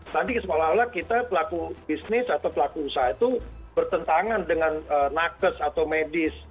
nanti seolah olah kita pelaku bisnis atau pelaku usaha itu bertentangan dengan nakes atau medis